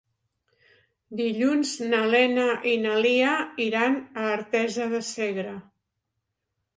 Dilluns na Lena i na Lia iran a Artesa de Segre.